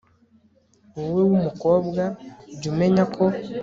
wowe w'umukobwa, jya umenya ko